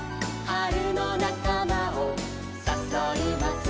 「はるのなかまをさそいます」